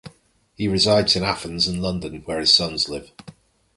He resides in Athens and London, where his sons live.